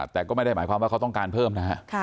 แต่ก็ไม่ได้หมายความว่าเขาต้องการเพิ่มนะฮะ